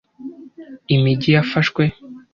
imijyi yafashwe